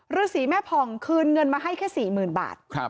ฤษีแม่ผ่องคืนเงินมาให้แค่๔๐๐๐บาท